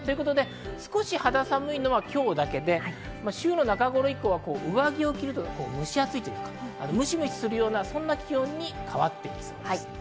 少し肌寒いのは今日だけで週の中頃以降は上着を着るとむし暑い、むしむしするような気温に変わってきそうです。